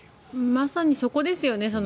まさにそこですよね。